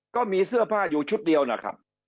ก็มีเสื้อผ้าอยู่ชุดเดียวนะครับ